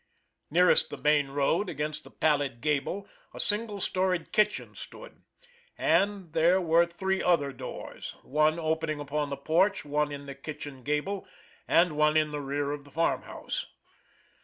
Nearest the main road, against the pallid gable, a single storied kitchen stood, and there were three other doors, one opening upon the porch, one in the kitchen gable, and one in the rear of the farmhouse.